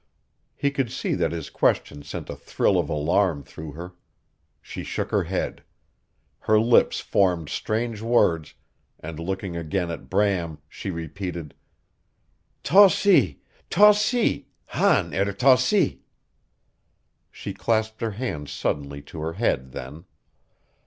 He could see that his question sent a thrill of alarm through her. She shook her head. Her lips formed strange words, and looking again at Bram she repeated, "Tossi tossi han er tossi!" She clasped her hands suddenly to her head then.